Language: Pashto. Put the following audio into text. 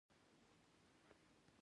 په مجبوریت کې یار موندل ستونزمن کار دی.